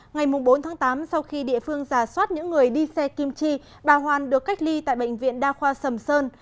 ngày bốn tháng tám sau khi địa phương giả soát những người đi xe kim chi bà hoàn được cách ly tại bệnh viện đa khoa sầm sơn